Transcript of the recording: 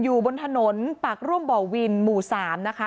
อยู่บนถนนปากร่วมบ่อวินหมู่๓นะคะ